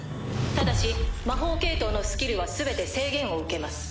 ただし魔法系統のスキルは全て制限を受けます。